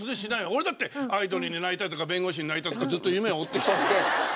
俺だってアイドルになりたいとか弁護士になりたいとかずっと夢を追ってきた。